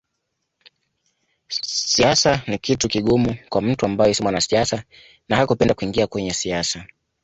Siasa ni kitu kigumu kwa mtu ambaye si mwanasiasa na hakupenda kuingia kwenye siasa